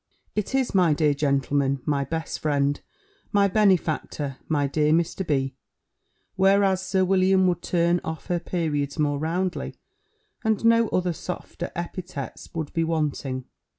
It is, 'My dear gentleman, my best friend, my benefactor, my dear Mr. B.' whereas Sir William would turn off her periods more roundly, and no other softer epithets would be wanting."